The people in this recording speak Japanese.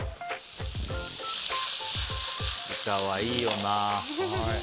イカはいいよな。